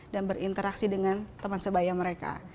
dan berinteraksi dengan teman sebaya mereka